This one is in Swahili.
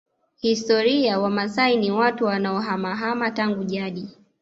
Historia Wamaasai ni watu wanaohamahama tangu jadi